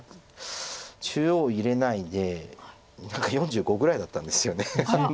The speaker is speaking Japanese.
中央入れないで何か４５ぐらいだったんですよね。